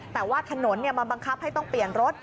แต่ว่าถนนมาบังคับให้ต้องเปลี่ยนรถ